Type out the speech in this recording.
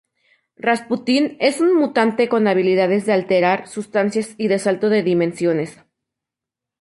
Rasputin es un mutante con habilidades de alterar sustancias y de salto de dimensiones.